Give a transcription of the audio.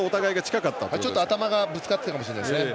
ちょっと頭がぶつかってたかもしれないですね。